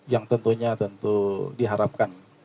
yang tentunya tentu diharapkan